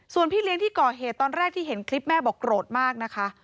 ส่วนพี่เลี้ยงที่ก่อเหตุตอนแรกที่เห็นคลิปแม่บอกโกรธมากนะคะ